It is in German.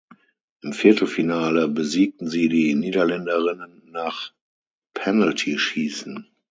Im Viertelfinale besiegten sie die Niederländerinnen nach Penaltyschießen.